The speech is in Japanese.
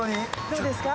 どうですか？